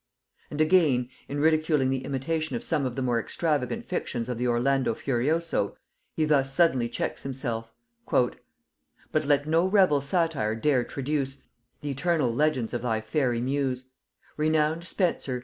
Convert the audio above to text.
And again, in ridiculing the imitation of some of the more extravagant fictions of the Orlando Furioso, he thus suddenly checks himself; "But let no rebel satyr dare traduce Th' eternal legends of thy faery muse, Renowned Spenser!